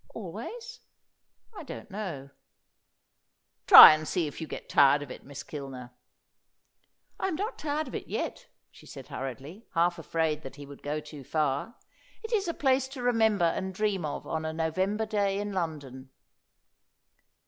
"Always? I don't know." "Try and see if you get tired of it, Miss Kilner." "I am not tired of it yet," she said hurriedly, half afraid that he would go too far. "It is a place to remember and dream of on a November day in London."